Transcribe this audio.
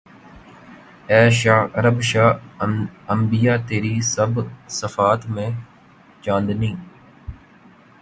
اے شہ عرب شہ انبیاء تیری سب صفات میں چاندنی